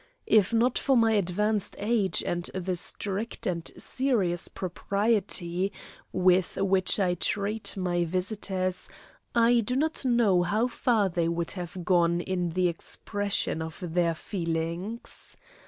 If not for my advanced age and the strict and serious propriety with which I treat my visitors, I do not know how far they would have gone in the expression of their feelings.